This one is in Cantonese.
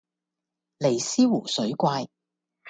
尼斯湖水怪